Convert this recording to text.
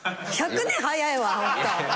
１００年早いわ！